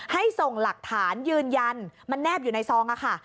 ส่งหลักฐานยืนยันมันแนบอยู่ในซองค่ะ